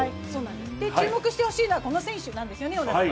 注目してほしいのはこの選手なんですよね。